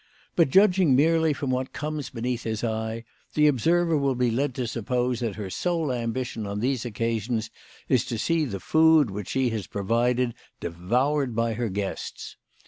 But, judging merely from what comes beneath his eye, the observer will be led to suppose that her sole ambition on these occasions is to see the food which she has pro vided devoured by her guests.